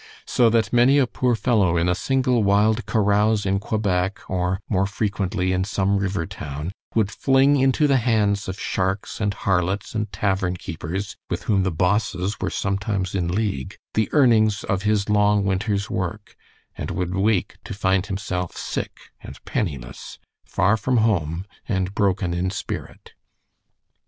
So that many a poor fellow in a single wild carouse in Quebec, or more frequently in some river town, would fling into the hands of sharks and harlots and tavern keepers, with whom the bosses were sometimes in league, the earnings of his long winter's work, and would wake to find himself sick and penniless, far from home and broken in spirit.